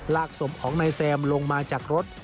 ศพของนายแซมลงมาจากรถ